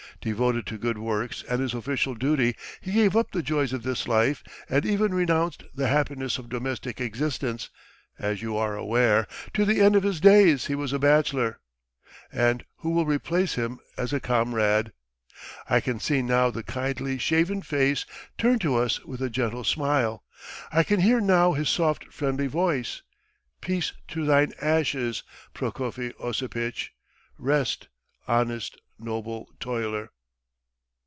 Devoted to good works and his official duty, he gave up the joys of this life and even renounced the happiness of domestic existence; as you are aware, to the end of his days he was a bachelor. And who will replace him as a comrade? I can see now the kindly, shaven face turned to us with a gentle smile, I can hear now his soft friendly voice. Peace to thine ashes, Prokofy Osipitch! Rest, honest, noble toiler!"